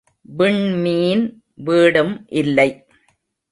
விண்மீன் வீடும் இல்லை.